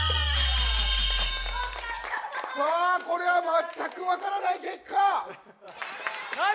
さあこれはまったくわからない結果！